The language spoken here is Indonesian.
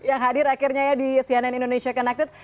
yang hadir akhirnya ya di cnn indonesia connected